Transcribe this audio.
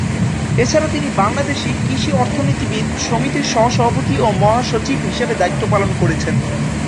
এছাড়া তিনি বাংলাদেশ কৃষি অর্থনীতিবিদ সমিতির সহ-সভাপতি ও মহাসচিব হিসেবে দায়িত্ব পালন করেছেন।